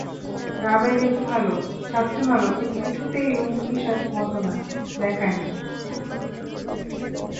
রাবেয়া দেখতে ভালো, ছাত্রী ভালো কিন্তু কিছুতেই রুমকির মতো দেখায় না।